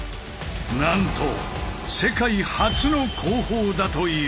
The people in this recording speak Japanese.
なんと世界初の工法だという。